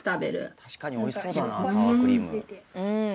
確かに美味しそうだなサワークリーム。